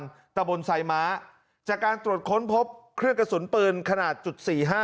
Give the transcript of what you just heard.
ดตระบนไซม้าจากการตรวจค้นพบเครื่องกระสุนปืนขณะจุด๔๕